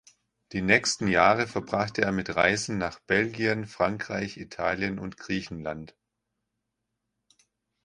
Die nächsten Jahre verbrachte er mit Reisen nach Belgien, Frankreich, Italien und Griechenland.